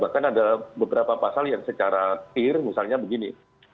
bahkan ada beberapa pasal yang secara clear misalnya begini